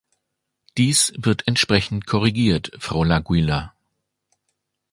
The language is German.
Dies wird entsprechend korrigiert, Frau Laguiller.